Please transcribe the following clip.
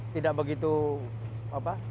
tidak begitu berbahaya